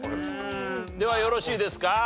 ではよろしいですか？